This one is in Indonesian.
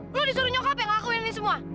kamu disuruh nyokap mengakui semua ini